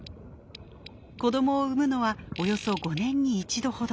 子どもを産むのはおよそ５年に一度ほど。